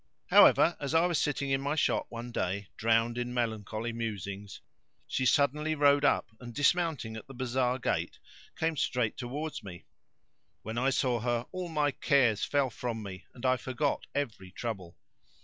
However, as I was sitting in my shop one day, drowned in melancholy musings, she suddenly rode up and, dismounting at the bazar gate, came straight towards me. When I saw her all my cares fell from me and I forgot every trouble.